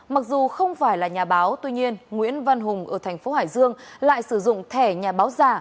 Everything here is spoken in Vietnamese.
mặc dù không phải là nhà báo tuy nhiên nguyễn văn hùng ở thành phố hải dương lại sử dụng thẻ nhà báo giả